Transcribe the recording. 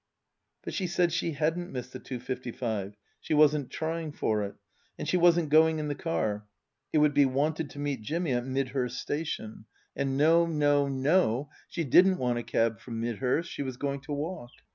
But she said she hadn't missed the two fifty five ; she wasn't trying for it ; and she wasn't going in the car ; it would be wanted to meet Jimmy at Midhurst Station ; 230 Tasker Jevons and no no no she didn't want a cab from Midhurst. She was going to walk.